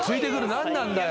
何なんだよ。